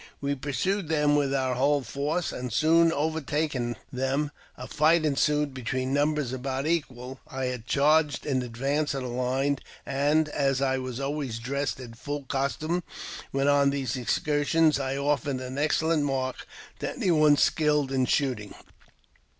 We pursued ' them with our whole force, and, soon overtaking them, a fight . ensued between numbers about equal. I had charged in ad vance of the line, and, as I was always dressed in full costume when on these excursions, I offered an excellent mark to any* one skilled in shooting.